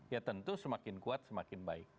ya tentu semakin kuat semakin baik